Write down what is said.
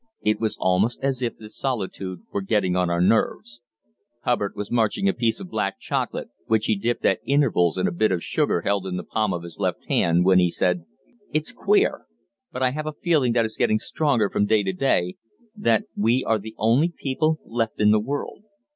It was almost as if the solitude were getting on our nerves. Hubbard was munching a piece of black chocolate, which he dipped at intervals in a bit of sugar held in the palm of his left hand, when he said: "It's queer, but I have a feeling that is getting stronger from day to day, that we are the only people left in the world.